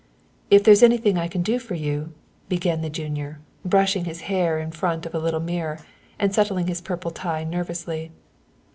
"If there's anything I can do for you " began the junior, brushing his hair in front of a little mirror and settling his purple tie nervously.